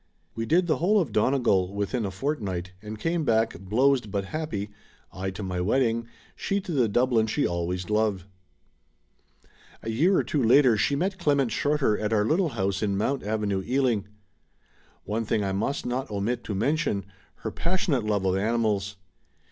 We did the whole of Donegal within a fortnight, and came back, blowzed but happy, I to my wedding, she to the Dublin she always loved. A year or two DORA SIGERSON later she met Clement Shorter at our little house in Mount Avenue, Ealing. One thing I must not omit to mention — ^her passion ate love of animals.